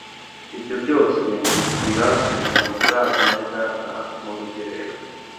ibyo byose mbigirira kugira ngo nzavane data mu rugerero